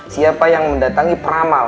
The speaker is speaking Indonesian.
siapa yang mendatangi peramal